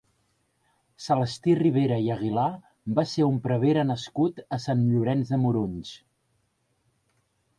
Celestí Ribera i Aguilar va ser un prevere nascut a Sant Llorenç de Morunys.